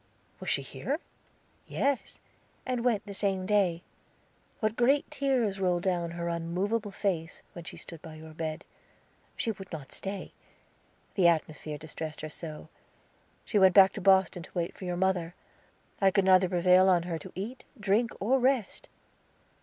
"Was she here?" "Yes, and went the same day. What great tears rolled down her unmovable face, when she stood by your bed! She would not stay; the atmosphere distressed her so, she went back to Boston to wait for your father. I could neither prevail on her to eat, drink, or rest."